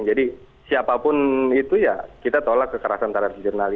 jadi siapapun itu ya kita tolak keserasan tarif jurnal